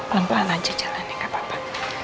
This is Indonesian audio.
lepas itu aja jalannya gak apa apa